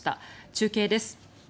中継です。